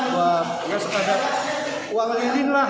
buat nggak sekadar uang lilin lah gitu